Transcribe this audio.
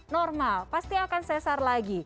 normal pasti akan sesar lagi